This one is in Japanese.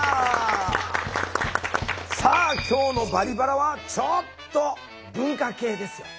さあ今日の「バリバラ」はちょっと文化系ですよ。